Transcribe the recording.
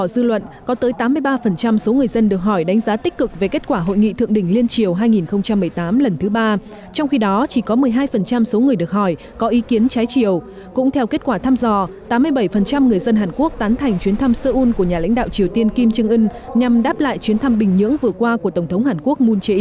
số người đánh giá tiêu cực chỉ chiếm tỷ lệ rất nhỏ